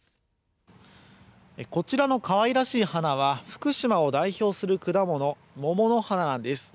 こちらのかわいらしい花は福島を代表する果物桃の花なんです。